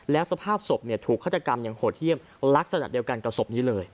และสภาพสบเนี่ยถูกเคตกรรมอย่างโหดเที่ยมลักษณะเดียวกันของสบที่เลย